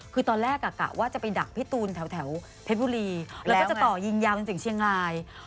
คือตอนแรกกะว่าจะไปดักพี่ตูนแถวเพชรบุรีแล้วก็จะต่อยิงยาวจนถึงเชียงราย